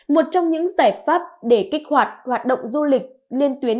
một trong những giải pháp để kích hoạt hoạt động du lịch liên tuyến